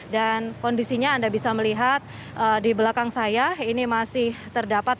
dan kondisinya anda bisa melihat di belakang saya ini masih terdapat balik